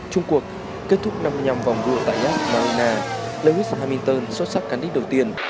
chung cuộc kết thúc năm mươi năm vòng đua tại jazz marina lewis hamilton xuất sắc cắn đích đầu tiên